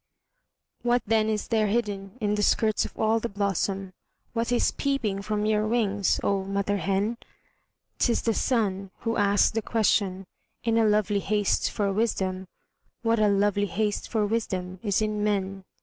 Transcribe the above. What then is there hidden in the skirts of all the blossom, What is peeping from your wings, oh mother hen? 'T is the sun who asks the question, in a lovely haste for wisdom What a lovely haste for wisdom is in men?